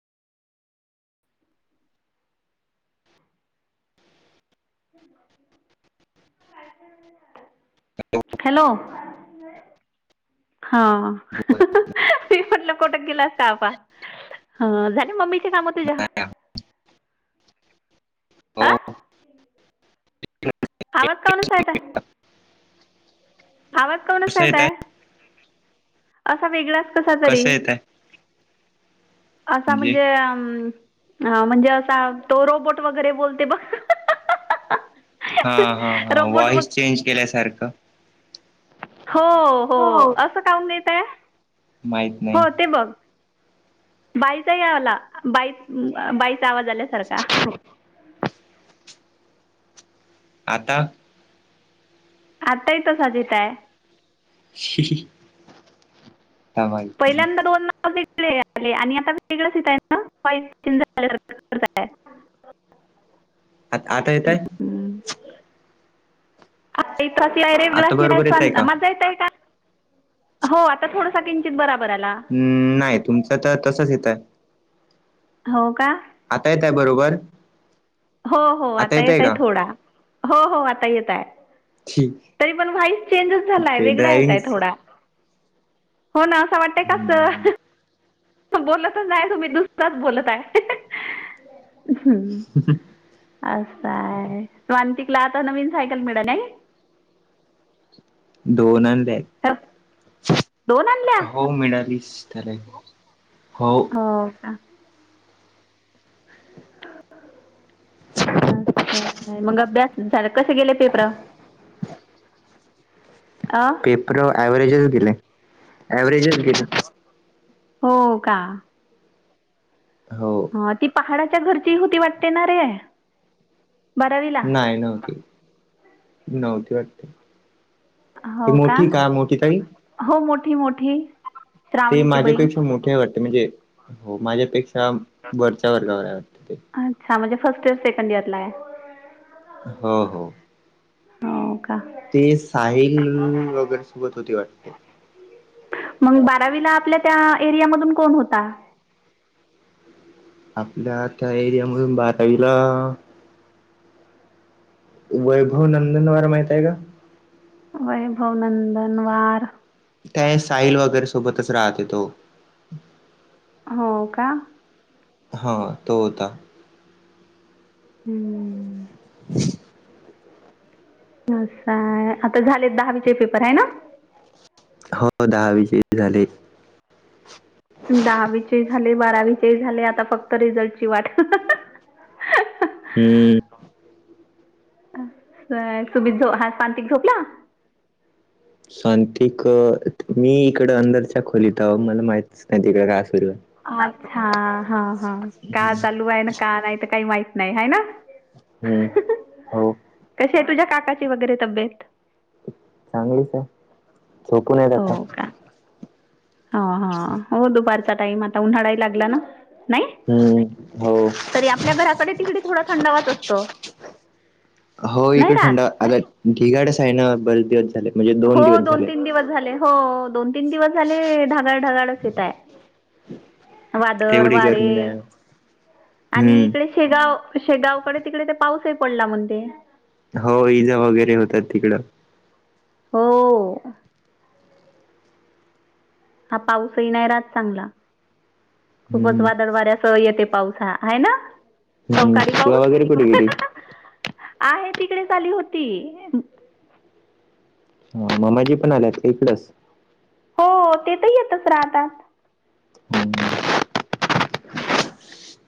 [unintelligible] Hello! Hello! मी म्हटलं कुठे गेला [unintelligible] झाले मम्मी चे कामं तुझ्या? आं हो आवाज काऊन असा येत आहे. आवाज काऊन असा कसं येत आहे येतोय? असा वेगळाच कसा तरी. कसं येत आहे असं म्हणजे अम हा म्हणजे असा तो रोबोट वगैरे बोलते बघ. हा हा हा रोबोट बघ वॉइस चेंज केल्यासारखं. हो हो असं काऊून येतय, माहित नाही हो ते बघ. बाईचा बाईस आवाज आल्यासारखा. आता. आताही तसाच येत आहे. [unintelligible] नाही पहिल्यांदा दोन वेगळे आले आणि आता वेगळेंच येत आहेत नाई [inaudible] [unintelligible] आ आता येत आहे. [inaudible] [inaudible] आता बरोबर येतय का माझा येतय का? हो आता थोडसा किंचित बराबर आला. हम्म नाही तुमचं तर तसच येत आहे. हो का. आता येत आहे बरोबर. हो हो आता येत येतय आहे का थोडा, हो हो आता येत आहे. तरी पण व्हाईस चेज झालाय ते वेगळा ड्रायविंग येतंय थोडा. हो ना असं वाटतंय का अस बोलतच नाही तुम्ही दुसराच बोलत आहे ह. असं आहे, स्वांतिकला आता नवीन सायकल मिळे नाही. दोन आण दोन आणल्या [inaudible] हो मिळालीस त्याला. हो का. मग अभ्यास. झालं. कसे गेले पेपर अ पेपर व्हरेजच गेले व्हरेजच गेले. हो का. हो. ह ती पहाडाच्या घरची होती वाटतेणारे. नाही नव्हती नव्हती वाटत. हो का हो मोठी मोठी. ते श्रावणीची बहीण माझ्यापेक्षा मोठे हाय वाटते, म्हणजे हो माझ्यापेक्षा वरच्या वर्गावर वाटते. अच्छा म्हणजे फस्ट इयर सेकंड इयरला आहे. हो हो हो का ते साहिल वगैरे सोबत होती वाटत. मग बारावीला आपल्या त्या एरियामधून कोण होता? आपल्या त्या एरिया मधून बारावीला वैभव नंदन वार माहित आहे का? वैभव नंदनवार. त्या साईल वगैरे सोबतच राहते तो. हो का? हा तो होता. हम्म. [unintelligible] असा आहे आता झालेत दहावीचे पेपर हाय ना. हो दहावीचे [unintelligible] झाले. दहावीचे ही झाले, बारावीचे ही झाले आता फक्त रिझल्टची वाट. [unintelligible] हम्म. असा आहे सुबीत झो हा सांतिक झोपला? सांंतिक मी इकडं अंदरच्या खोलीत आहो मला माहितच नाही तिकडे काय सुरू आहे. अच्छा हा हा का हम्म. चालू आहे ना का नाही तर काही माहित नाही हाय ना? हम्म. हो कशी आहे तुझ्या काकाची वगैरे तब्येत? चांगलीच आहे झोपूून आहेत आता. ह हा हो दुपारचा टाइम आता उन्हाळा ही लागला ना. नाही हम्म हो. तरी आपल्या घराकडे तिकडी थोडा थंडावाच असतो. हो नाही इकडे राहत थंडा ढिगाडच आहे ना बरेच दिवस झाले. म्हणजे हो दिवस दोन झाले. तीन दिवस झाले हो दोन तीन दिवस झाले ढागाळ-ढगाळ तच येत आहे वादळ, तेवढी वारे गरमी नाही आणि इकडे हम्म शेगाव शेगावकडे तिकडे ते पाऊस ही पडला म्हणते. हो इजा वगैरे होतात तिकडं. हो. हा पाऊसही येणार आहे आज चांगला खूपच हम्म वादळ वाऱ्यासह येते पाऊस. खा हा आहे ना हम्म अवकाळी तुला पाऊस. वगैरे कुठे गेली आहे तिकडेच आली होती. म मामाजी पण आल्यात इकडचं. हो ते तर येतच राहतात. हम्म.